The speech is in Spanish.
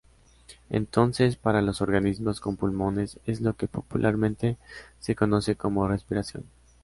Entonces, para los organismos con pulmones, es lo que popularmente se conoce como respiración.